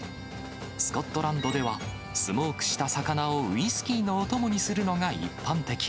スコットランドでは、スモークした魚をウイスキーのお供にするのが一般的。